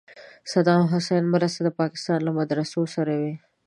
صدام حسین مرستې د پاکستان له مدرسو سره وې.